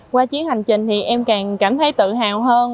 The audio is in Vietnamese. qua chuyến hành trình thì em càng cảm thấy tự hào hơn